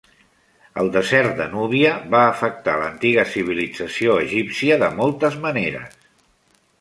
El desert de Núbia va afectar l'antiga civilització egípcia de moltes maneres.